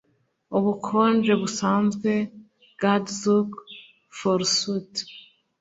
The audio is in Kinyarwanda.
ubukonje busanzwe, gadzook, forsooth